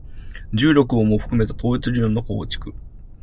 重力をも含めた統一理論の構築